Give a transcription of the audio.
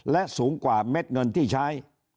และสูงกว่าเม็ดเงินที่ใช้